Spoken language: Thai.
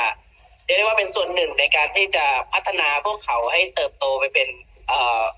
เรียกได้ว่าเป็นส่วนหนึ่งในการที่จะพัฒนาพวกเขาให้เติบโตไปเป็นเอ่อ